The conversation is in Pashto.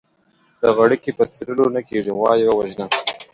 د غړکي په څيرلو نه کېږي ، غوا يې ووژنه.